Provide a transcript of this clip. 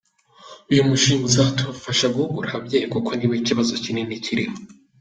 Uyu mushinga uzadufasha guhugura ababyeyi kuko nibo ikibazo kinini kiriho.